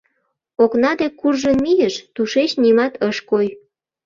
Окна дек куржын мийыш, тушеч нимат ыш кой.